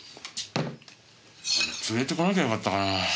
連れてこなきゃよかったかなぁ。